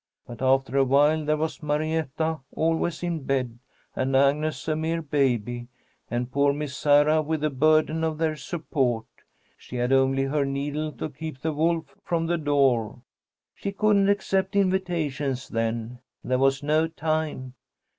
But after awhile there was Marietta always in bed, and Agnes a mere baby, and poor Miss Sarah with the burden of their support. She had only her needle to keep the wolf from the door. She couldn't accept invitations then. There was no time.